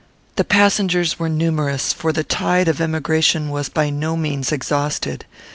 The passengers were numerous; for the tide of emigration was by no means exhausted.